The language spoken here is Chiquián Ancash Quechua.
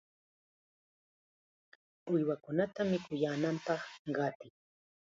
¡Uywakunata mikuyaananpaq qatiy!